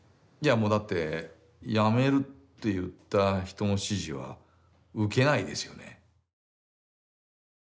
いやもうだって辞めるって言った人の指示は受けないですよね。